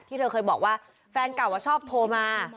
เธอเคยบอกว่าแฟนเก่าชอบโทรมา